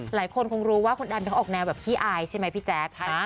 หลายคนคงรู้ว่าคุณแอมเขาออกแนวแบบขี้อายใช่ไหมพี่แจ๊ค